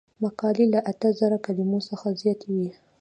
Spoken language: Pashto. مقالې له اته زره کلمو څخه زیاتې وي.